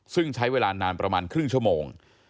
ซึ่งใช้เวลานานประมาณครึ่งชั่วโมง